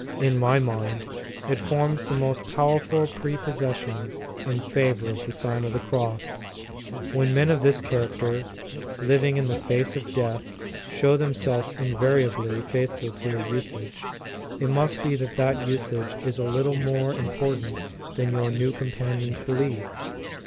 In my mind, it forms the most powerful prepossession in favor of the Sign of the Cross. When men of this character, living in the face of death, show themselves invariably faithful to a usage, it must be that that usage is a little more im portant than your new companions believe.